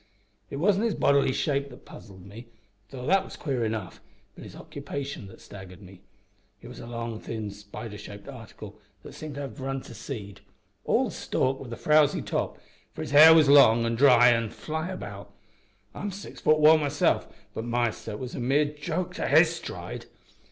It wasn't his bodily shape that puzzled me, though that was queer enough, but his occupation that staggered me. He was a long, thin, spider shaped article that seemed to have run to seed all stalk with a frowsy top, for his hair was long an' dry an' fly about. I'm six futt one myself, but my step was a mere joke to his stride!